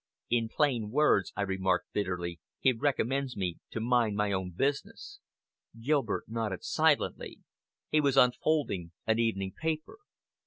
"In plain words," I remarked bitterly, "he recommends me to mind my own business." Gilbert nodded silently. He was unfolding an evening paper.